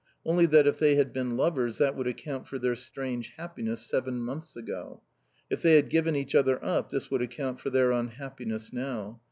Only that if they had been lovers that would account for their strange happiness seven months ago; if they had given each other up this would account for their unhappiness now.